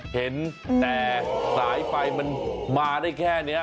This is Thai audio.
เห็นแต่สายไฟมันมาได้แค่นี้